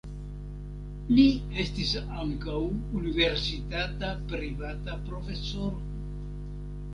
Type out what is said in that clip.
Li estis ankaŭ universitata privata profesoro.